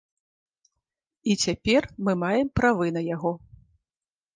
І цяпер мы маем правы на яго.